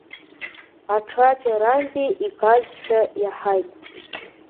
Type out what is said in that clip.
Аҽаџьарантәи игазшәа иаҳаит.